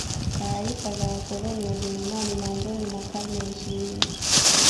Taarifa za wakoloni Wajerumani mwanzoni mwa karne ya ishirini